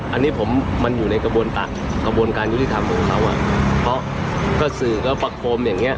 อันนี้มันอยู่ในกระบวนกรรยุทธรรมของเค้าก็สื่อพรักฟมอย่างนี้